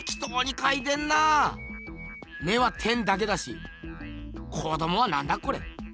目は点だけだし子どもはなんだこれ？